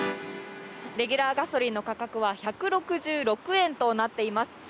レギュラーガソリンの価格は１６６円となっています。